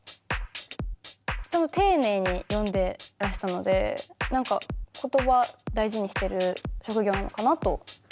でも丁寧に読んでらしたので何か言葉大事にしてる職業なのかなと思いました。